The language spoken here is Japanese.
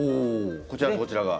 こちらとこちらが。